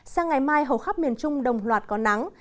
sang ngày mai hầu khắp miền trung đồng loạt có nắng